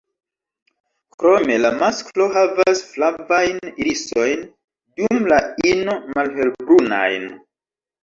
Krome la masklo havas flavajn irisojn, dum la ino malhelbrunajn.